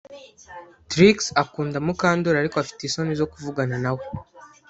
Trix akunda Mukandoli ariko afite isoni zo kuvugana nawe